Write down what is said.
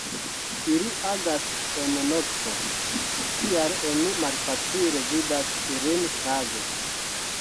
Ili agas en nokto, tial oni malfacile vidas ilin tage.